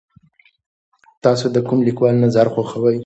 تاسو د کوم لیکوال نظر خوښوئ؟